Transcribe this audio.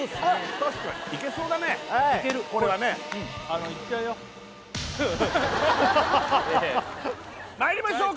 確かにいけそうだねいけるうんこれはねまいりましょうか